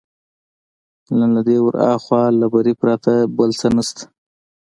نه له دې ورهاخوا، له بري پرته بل څه نشته.